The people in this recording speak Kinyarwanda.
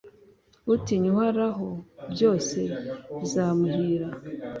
Utinya Uhoraho, byose bizamuhira,